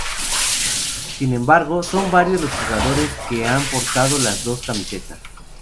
Sin embargo, son varios los jugadores que han portado las dos camisetas.